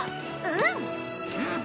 うん。